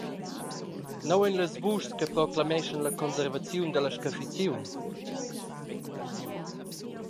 Nua ein las vuschs che proclameschan la conservaziun dalla scaffiziun?